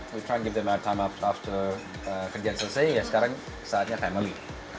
we try to give them our time after kerja selesai ya sekarang saatnya family